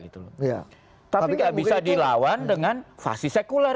tapi nggak bisa dilawan dengan fasis sekular